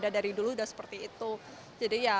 dari dulu udah seperti itu jadi ya